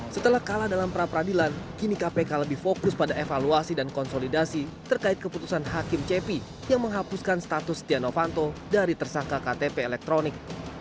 setelah kalah dalam pra peradilan kini kpk lebih fokus pada evaluasi dan konsolidasi terkait keputusan hakim cepi yang menghapuskan status setia novanto dari tersangka ktp elektronik